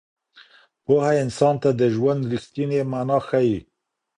پوهه انسان ته د ژوند رښتينې مانا ښيي.